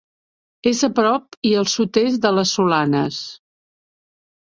És a prop i al sud-est de les Solanes.